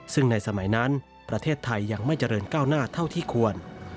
ซึ่งในสมัยนั้นประเทศไทยยังไม่เจริญก้าวหน้าเท่าที่ควร